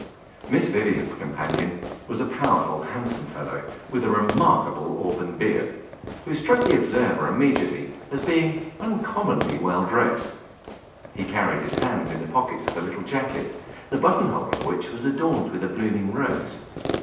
Miss Vivian's companion was a powerful, handsome fellow, with a remarkable auburn beard, who struck the observer immediately as being uncommonly well dressed. He carried his hands in the pockets of a little jacket, the button hole of which was adorned with a blooming rose.